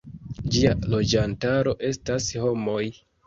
Ĝia loĝantaro estas homoj.